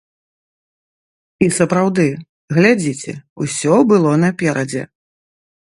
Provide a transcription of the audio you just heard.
І сапраўды, глядзіце, усё было наперадзе!